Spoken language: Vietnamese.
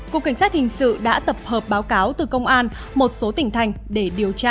cục cảnh sát hình sự đã tập hợp báo cáo từ công an một số tỉnh thành để điều tra